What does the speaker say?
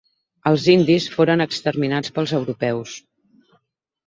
Els indis foren exterminats pels europeus.